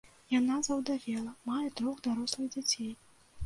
Яна заўдавела, мае трох дарослых дзяцей.